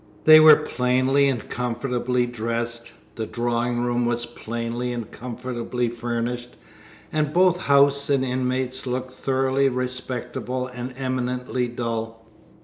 They were plainly and comfortably dressed; the drawing room was plainly and comfortably furnished; and both house and inmates looked thoroughly respectable and eminently dull.